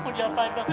buat dia apaan bang